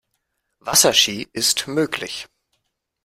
Wasserski ist möglich.